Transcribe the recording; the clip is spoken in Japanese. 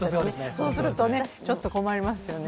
そうするとちょっと困りますよね。